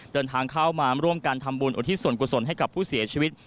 เดินทางเข้ามาร่วมกันทำบุญอุทิศส่วนกุศลให้กับผู้เสียชีวิต